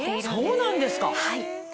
そうなんですか。